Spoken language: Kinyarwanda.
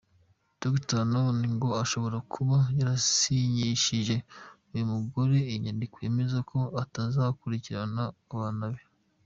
Dr Hanouti ngo ashobora kuba yarasinyishije uyu mugore inyandiko yemeza ko atazakurikirana abana be.